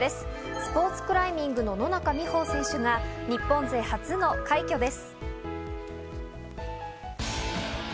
スポーツクライミングの野中生萌選手が日本勢初の快挙です。